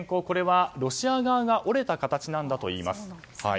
これはロシア側が折れたんだといいます。